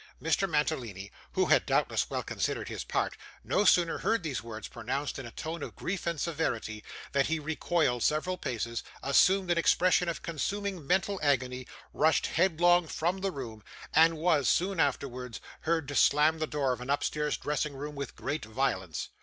Mr. Mantalini, who had doubtless well considered his part, no sooner heard these words pronounced in a tone of grief and severity, than he recoiled several paces, assumed an expression of consuming mental agony, rushed headlong from the room, and was, soon afterwards, heard to slam the door of an upstairs dressing room with great violence.